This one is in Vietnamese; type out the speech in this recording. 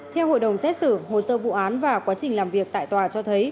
theo hội đồng xét xử hồ sơ vụ án và quá trình làm việc tại tòa cho thấy